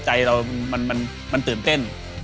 ใจเรามันตื่นเต้น